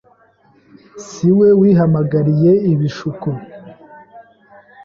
Si we wihamagariye ibishuko.